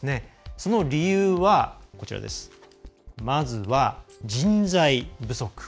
その理由は、まずは人材不足。